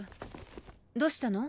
どうしたの？